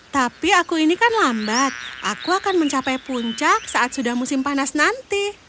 tapi aku ini kan lambat aku akan mencapai puncak saat sudah musim panas nanti